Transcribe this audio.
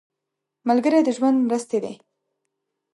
ملګری د ژوند مرستې دی